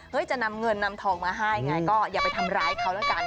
จะนำเงินนำทองมาให้ไงก็อย่าไปทำร้ายเขาแล้วกัน